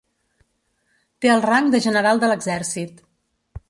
Té el rang de general de l'exèrcit.